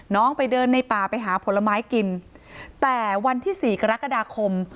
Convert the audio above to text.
ไปเดินในป่าไปหาผลไม้กินแต่วันที่สี่กรกฎาคม